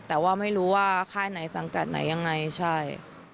แต่ว่าไม่รู้ว่าค่ายไหนสังกัดไหนยังไงใช่